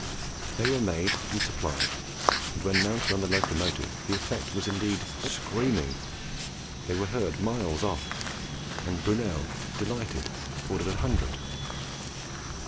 They were made and supplied, and when mounted on the locomotive the effect was indeed "screaming." They were heard miles off, and Brunel, delighted, ordered a hundred.